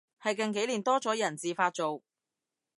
係近幾年多咗人自發做